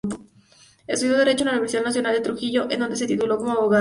Estudió Derecho en la Universidad Nacional de Trujillo, en dónde se tituló como abogado.